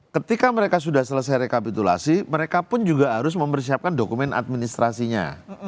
ketika mereka sudah selesai rekapitulasi mereka pun juga harus mempersiapkan dokumen administrasinya